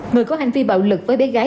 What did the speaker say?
người có hành vi bạo lực với bé gái